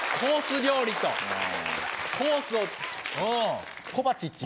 料理とコースをうんコバチッチです